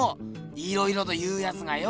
いろいろと言うやつがよ。